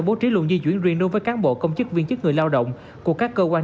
bố trí luồng di chuyển riêng đối với cán bộ công chức viên chức người lao động của các cơ quan